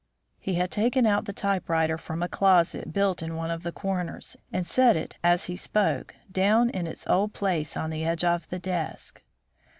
He had taken out the typewriter from a closet built in one of the corners, and set it as he spoke down in its old place on the edge of the desk.